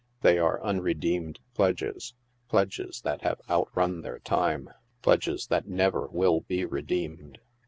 They are unredeemed pledges pledges that have outrun their time— pledges that never will be redeemed.